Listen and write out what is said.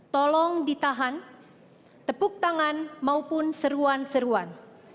tolong ditahan tepuk tangan maupun seruan seruan